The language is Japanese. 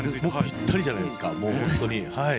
ぴったりじゃないですか、もう本当に。